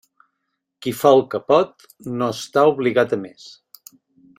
Qui fa el que pot no està obligat a més.